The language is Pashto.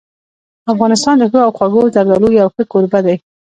افغانستان د ښو او خوږو زردالو یو ښه کوربه دی.